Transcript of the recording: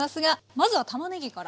まずはたまねぎから。